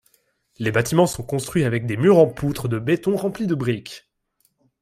Les bâtiments sont construits avec des murs en poutres de béton remplis de briques.